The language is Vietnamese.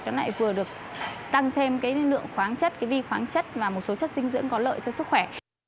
nó lại vừa được tăng thêm cái lượng khoáng chất cái vi khoáng chất và một số chất dinh dưỡng có lợi cho sức khỏe